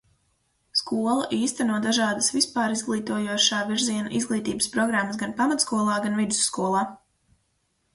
Skola īsteno dažādas vispārizglītojošā virziena izglītības programmas gan pamatskolā, gan vidusskolā.